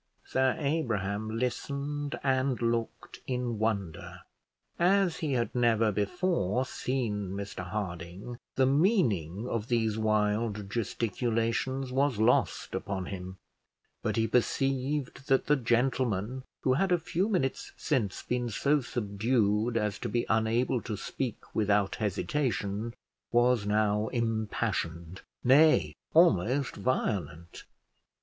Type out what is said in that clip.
Sir Abraham listened and looked in wonder. As he had never before seen Mr Harding, the meaning of these wild gesticulations was lost upon him; but he perceived that the gentleman who had a few minutes since been so subdued as to be unable to speak without hesitation, was now impassioned, nay, almost violent.